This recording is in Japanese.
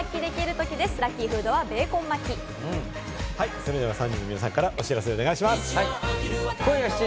それでは３人の皆さんからお知らせお願いします。